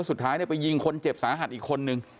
สุดท้ายไปยิงคนเจ็บสาหัสอีกคนนึง